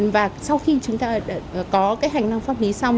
và sau khi chúng ta có cái hành năng pháp lý xong